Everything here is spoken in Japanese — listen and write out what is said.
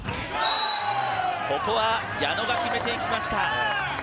ここは矢野が決めていきました。